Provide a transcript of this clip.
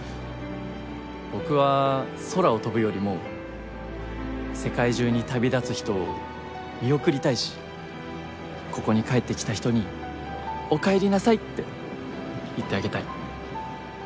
僕は空を飛ぶよりも世界中に旅立つ人を見送りたいしここに帰ってきた人に「おかえりなさい」って言ってあげたい。